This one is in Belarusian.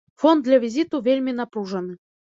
Фон для візіту вельмі напружаны.